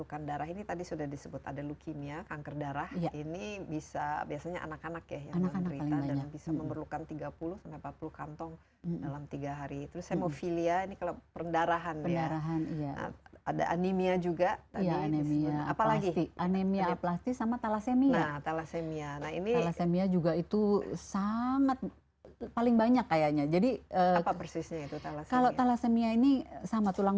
juga itu sangat paling banyak kayaknya jadi apa persisnya itu kalau kalau talasemia ini sama tulang